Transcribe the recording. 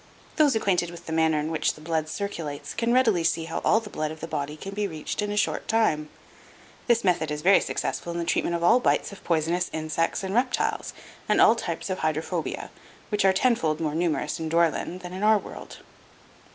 Those acquainted with the manner in which the blood circulates can readily see how all the blood of the body can be reached in a short time. This method is very successful in the treatment of all bites of poisonous insects and reptiles, and all types of hydrophobia, which are ten fold more numerous in Dore lyn than in our world.